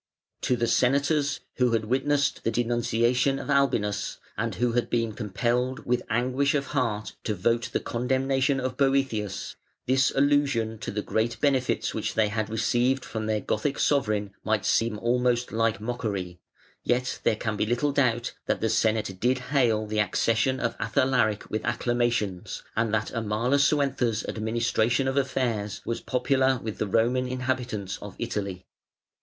To the Senators, who had witnessed the denunciation of Albinus, and who had been compelled with anguish of heart to vote the condemnation of Boëthius, this allusion to the great benefits which they had received from their Gothic sovereign might seem almost like mockery: yet there can be little doubt that the Senate did hail the accession of Athalaric with acclamations, and that Amalasuentha's administration of affairs was popular with the Roman inhabitants of Italy.